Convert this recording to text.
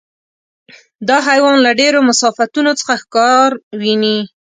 دا حیوان له ډېرو مسافتونو څخه ښکار ویني.